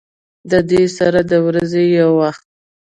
د دې سره د ورځې يو وخت